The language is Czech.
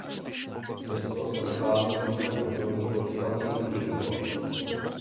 Město se nachází v mírném údolí pod úpatím Krušných hor.